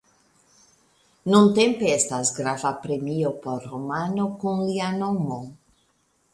Nuntempe estas grava premio por romano kun lia nomo.